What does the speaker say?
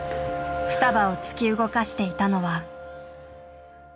ふたばを突き動かしていたのは。